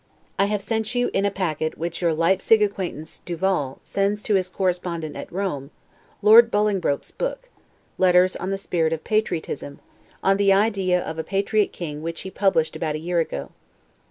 I have sent you in a packet which your Leipsig acquaintance, Duval, sends to his correspondent at Rome, Lord Bolingbroke's book, ["Letters on the Spirit of Patriotism," on the Idea of a Patriot King which he published about a year ago.